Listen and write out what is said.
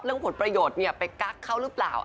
ผลประโยชน์ไปกักเขาหรือเปล่า